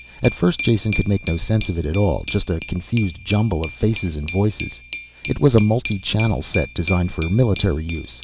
At first Jason could make no sense of it at all. Just a confused jumble of faces and voices. It was a multi channel set designed for military use.